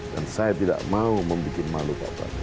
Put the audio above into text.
dan saya tidak mau membuat malu pak jokowi